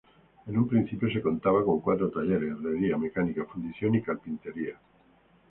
En un principio se contaba con cuatro talleres; Herrería, Mecánica, Fundición y Carpintería.